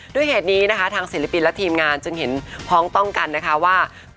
ด้วยเหตุนี้นะคะทางศิลปินและทีมงานจึงเห็นพ้องต้องกันนะคะว่า